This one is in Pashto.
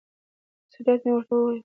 تسلیت مې ورته ووایه.